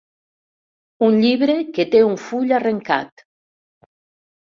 Un llibre que té un full arrencat.